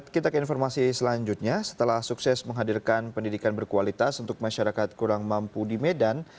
kita ke informasi selanjutnya setelah sukses menghadirkan pendidikan berkualitas untuk masyarakat kurang mampu di medan